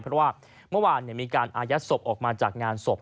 เพราะว่าเมื่อวานมีการอายัดศพออกมาจากงานศพ